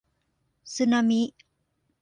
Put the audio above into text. สึนามิ